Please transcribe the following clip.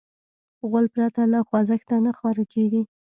غول پرته له خوځښته نه خارجېږي.